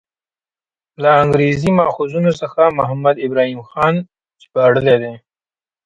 له انګریزي ماخذونو څخه محمد ابراهیم خان ژباړلی دی.